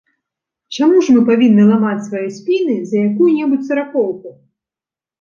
Чаму ж мы павінны ламаць свае спіны за якую-небудзь саракоўку?